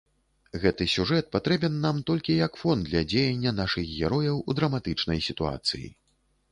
Гэты сюжэт патрэбен нам толькі як фон для дзеяння нашых герояў у драматычнай сітуацыі.